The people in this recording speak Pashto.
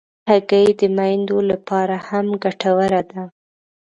هګۍ د میندو لپاره هم ګټوره ده.